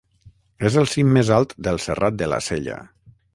És el cim més alt del Serrat de la Sella.